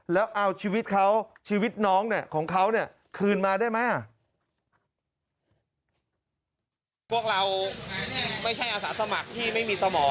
แล้วเอาชีวิตเขาชีวิตน้องเนี่ยของเขาเนี่ยคืนมาได้ไหม